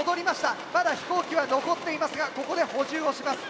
まだ飛行機は残っていますがここで補充をします。